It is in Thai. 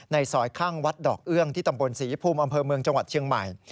ซอยข้างวัดดอกเอื้องที่ตำบลศรีภูมิอำเภอเมืองจังหวัดเชียงใหม่